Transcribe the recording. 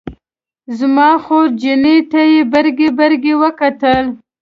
زما خورجینې ته یې برګې برګې وکتل.